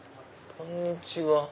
こんにちは。